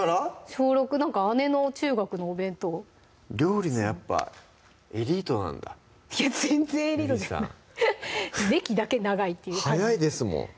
小６なんか姉の中学のお弁当料理のやっぱエリートなんだいや全然エリートじゃない歴だけ長いっていう早いですもん